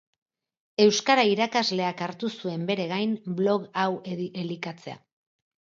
Euskara irakasleak hartu zuen bere gain blog hau elikatzea.